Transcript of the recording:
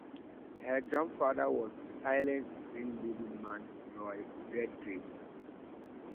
Her grandfather was silent screen leading man Roy Redgrave.